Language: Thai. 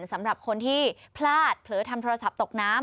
สำหรับคนที่พลาดเผลอทำโทรศัพท์ตกน้ำ